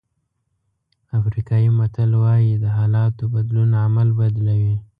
افریقایي متل وایي د حالاتو بدلون عمل بدلوي.